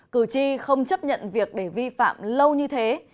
cử tri không chấp nhận việc để vi phạm lâu như thế